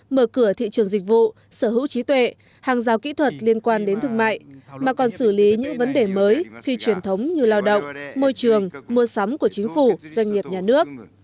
mở cửa thị trường dịch vụ sở hữu trí tuệ hàng giao kỹ thuật liên quan đến thương mại mà còn xử lý những vấn đề mới phi truyền thống như lao động môi trường mua sắm của chính phủ doanh nghiệp nhà nước